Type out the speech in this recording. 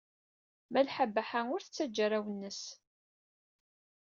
Malḥa Baḥa ur tettajja arraw-nnes.